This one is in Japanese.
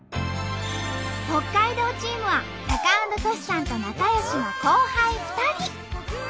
北海道チームはタカアンドトシさんと仲よしの後輩２人。